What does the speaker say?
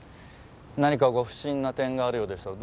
何かご不審な点があるようでしたらどうぞどうぞ。